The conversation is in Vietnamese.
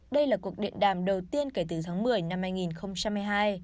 đây là cuộc điện đàm đầu tiên kể từ tháng một mươi năm hai nghìn hai mươi hai